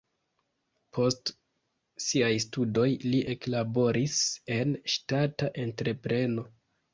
Post siaj studoj li eklaboris en ŝtata entrepreno.